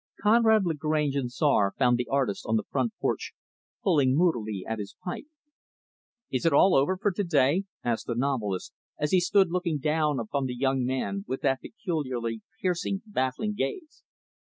Conrad Lagrange and Czar found the artist on the front porch, pulling moodily at his pipe. "Is it all over for to day?" asked the novelist as he stood looking down upon the young man with that peculiarly piercing, baffling gaze.